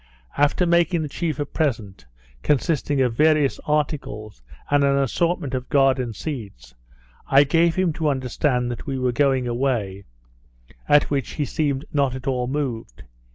After making the chief a present, consisting of various articles, and an assortment of garden seeds, I gave him to understand that we were going away, at which he seemed not at all moved.